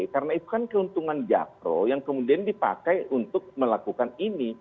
karena itu kan keuntungan japro yang kemudian dipakai untuk melakukan ini